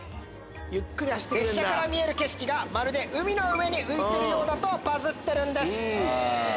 列車から見える景色が海の上に浮いてるようだとバズってるんです。